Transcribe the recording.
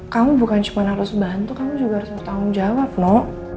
kamu bukan cuma harus bantu kamu juga harus bertanggung jawab nok